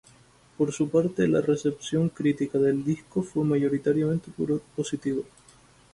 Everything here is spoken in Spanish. Por su parte, la recepción crítica del disco fue mayoritariamente positiva.